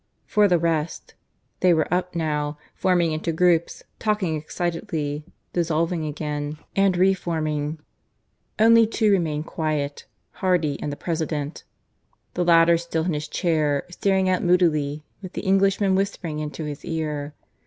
For the rest they were up now, forming into groups, talking excitedly, dissolving again, and re forming. Only two remained quiet Hardy and the President; the latter still in his chair, staring out moodily, with the Englishman whispering into his ear.